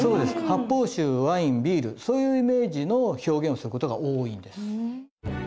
発泡酒ワインビールそういうイメージの表現をすることが多いんです。